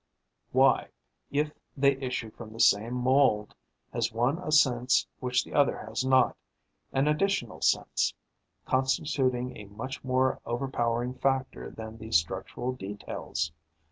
Why, if they issue from the same mould, has one a sense which the other has not, an additional sense, constituting a much more overpowering factor than the structural details?